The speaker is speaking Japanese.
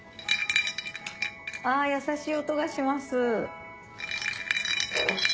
あ優しい音がします。